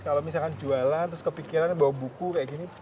kalau misalkan jualan terus kepikiran bawa buku kayak gini